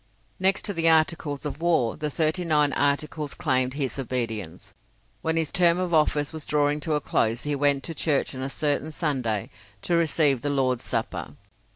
Next to the articles of war, the thirty nine Articles claimed his obedience. When his term of office was drawing to a close he went to church on a certain Sunday to receive the Lord's Supper.